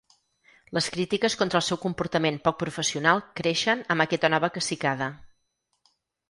Les crítiques contra el seu comportament poc professional creixen amb aquesta nova cacicada.